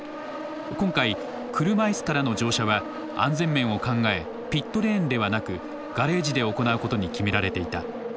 今回車いすからの乗車は安全面を考えピットレーンではなくガレージで行うことに決められていた。